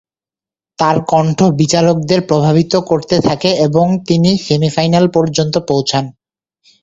তার কণ্ঠ বিচারকদের প্রভাবিত করতে থাকে এবং তিনি সেমি-ফাইনাল পর্যন্ত পৌঁছান।